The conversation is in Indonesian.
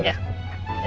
terima kasih mbak